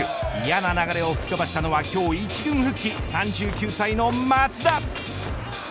嫌な流れを吹き飛ばしたのは今日１軍復帰３９歳の松田。